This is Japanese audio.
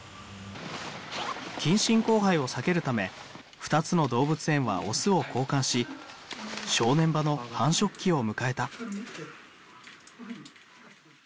近親交配を避けるため２つの動物園は雄を交換し正念場の繁殖期を迎えた。